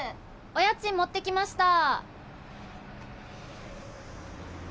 お家賃持ってきました